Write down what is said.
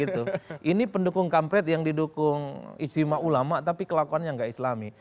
ini pendukung kampret yang didukung ijtima ulama tapi kelakuannya nggak islami